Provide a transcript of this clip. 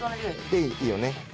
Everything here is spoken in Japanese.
でいいよね。